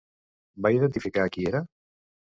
Va identificar qui era?